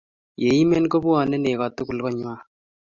ya imen ko bwoni nego tugul koot ng'wang'